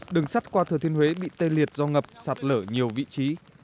đường sắt qua thừa thiên huế bị tê liệt do ngập sạt lở nhiều vị trí